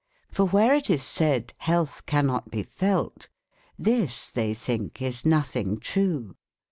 forwhereitissaid, healthecan not be felt : this, they thinke, is nothing trew.